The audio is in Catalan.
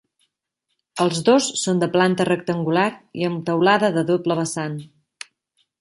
Els dos són de planta rectangular i amb teulada de doble vessant.